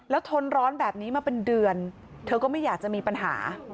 แล้วทนร้อนแบบนี้มาเป็นเดือนเธอก็ไม่อยากจะมีปัญหา